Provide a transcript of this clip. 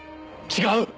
違う！